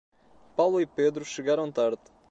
Paulo e Pedro chegaram tarde.